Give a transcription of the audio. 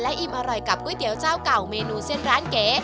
อิ่มอร่อยกับก๋วยเตี๋ยวเจ้าเก่าเมนูเส้นร้านเก๋